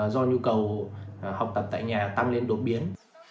do nhu cầu học tập tại nhà tăng lên đúng